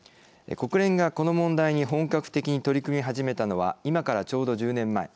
国連が、この問題に本格的に取り組み始めたのは今からちょうど１０年前。